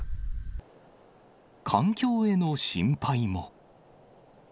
環境への心配も。